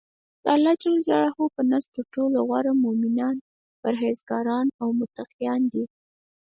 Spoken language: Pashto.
الله ج په نزد ترټولو غوره مؤمنان پرهیزګاران او متقیان دی.